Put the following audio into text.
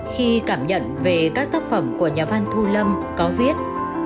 khi cảm nhận về các tác phẩm của nhà văn thu lâm có viết